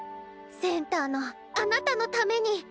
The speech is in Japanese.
センターのあなたのために！